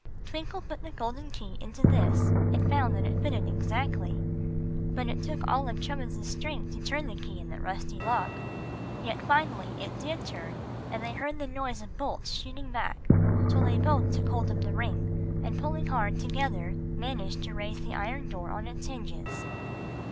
Twinkle put the golden key into this and found that it fitted exactly. But it took all of Chubbins's strength to turn the key in the rusty lock. Yet finally it did turn, and they heard the noise of bolts shooting back, so they both took hold of the ring, and pulling hard together, managed to raise the iron door on its hinges.